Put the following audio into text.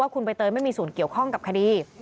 คุณใบเตยไม่มีส่วนเกี่ยวข้องกับคดี